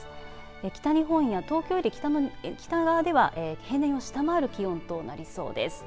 北日本や東京より北側では平年を下回る気温となりそうです。